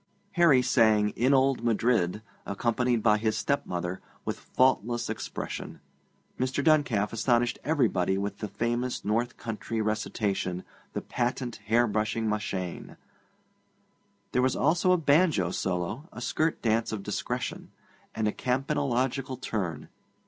Harry sang 'In Old Madrid,' accompanied by his stepmother, with faultless expression. Mr. Duncalf astonished everybody with the famous North Country recitation, 'The Patent Hair brushing Mashane.' There were also a banjo solo, a skirt dance of discretion, and a campanological turn.